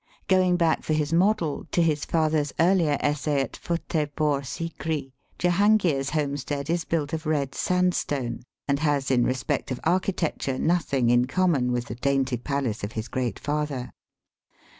Going back for his model to his father's earlier essay at Futtehpore Sikri, Jehangir's homestead is built of red sand stone, and has in respect of architecture nothing in common with the dainty palace of his great father.